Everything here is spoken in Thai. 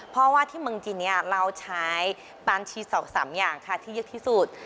เพราะว่าที่เมืองจีนเนี่ยเราใช้ปานชี๒๓อย่างค่ะที่เยอะที่สุด